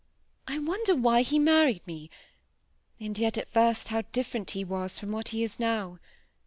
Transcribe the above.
I wonder why he married me ; and yet at first how different he was from what he is now